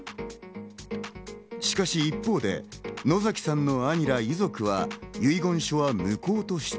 しかし一方で、野崎さんの兄ら遺族は遺言書は無効と主張。